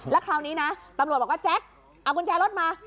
แล้วคราวนี้นะตำรวจบอกว่าแจ๊คเอากุญแจรถมา